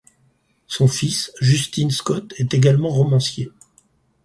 Son fils, Justin Scott, est également romancier.